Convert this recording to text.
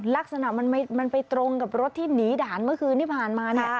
ลักษณะมันไปตรงกับรถที่หนีด่านเมื่อคืนที่ผ่านมาเนี่ย